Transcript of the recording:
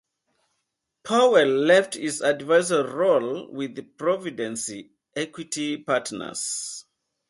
Powell left his advisory role with Providence Equity Partners.